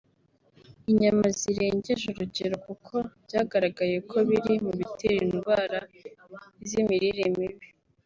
inyama zirengeje urugero kuko byagaragaye ko biri mu bitera indwara z’ imirire mibi